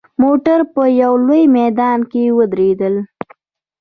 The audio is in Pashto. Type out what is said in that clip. موټر په یوه لوی میدان کې ودرېدل.